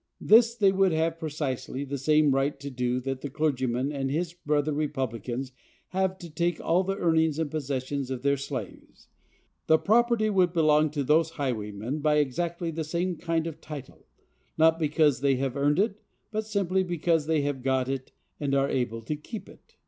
This they would have precisely the same right to do that the clergyman and his brother republicans have to take all the earnings and possessions of their slaves. The property would belong to these highwaymen by exactly the same kind of title,—not because they have earned it, but simply because they have got it and are able to keep it.